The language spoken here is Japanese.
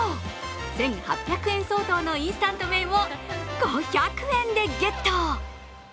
１８００円相当のインスタント麺を５００円でゲット。